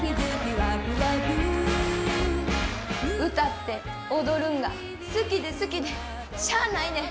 歌って踊るんが好きで好きで、しゃあないねん。